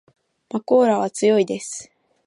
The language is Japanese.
まこーらは強いです